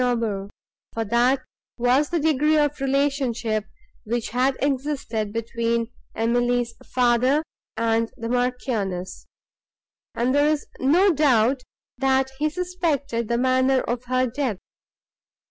Aubert; for that was the degree of relationship, which had existed between Emily's father and the Marchioness; and there is no doubt, that he suspected the manner of her death.